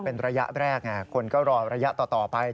เป็นระยะแรกคนก็รอระยะต่อไป